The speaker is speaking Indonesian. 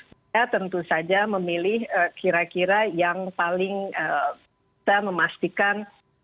kita tentu saja memilih kira kira yang paling bisa memastikan